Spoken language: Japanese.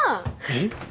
えっ！